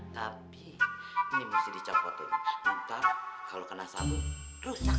tapi ini mesti dicampur tuh ntar kalau kena sabun rusak